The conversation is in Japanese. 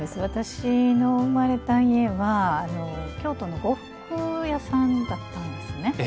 私の生まれた家は京都の呉服屋さんだったんですね。